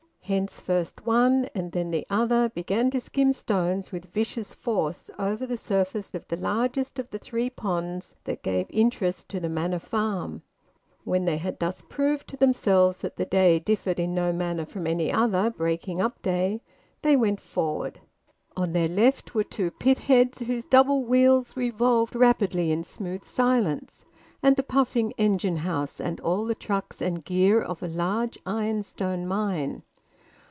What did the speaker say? Hence, first one and then the other began to skim stones with vicious force over the surface of the largest of the three ponds that gave interest to the Manor Farm. When they had thus proved to themselves that the day differed in no manner from any other breaking up day, they went forward. On their left were two pitheads whose double wheels revolved rapidly in smooth silence, and the puffing engine house and all the trucks and gear of a large ironstone mine.